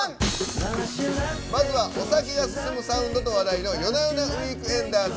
まずはお酒が進むサウンドと話題のＹＯＮＡＹＯＮＡＷＥＥＫＥＮＤＥＲＳ。